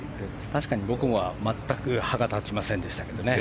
確かに僕は全く歯が立ちませんでしたけどね。